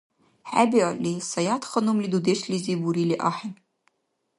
ХӀебиалли, Саятханумли дудешлизи бурили ахӀен.